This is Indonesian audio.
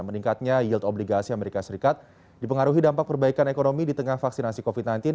meningkatnya yield obligasi amerika serikat dipengaruhi dampak perbaikan ekonomi di tengah vaksinasi covid sembilan belas